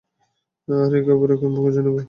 আর একে-অপরকে আমরা খুঁজে নেবো।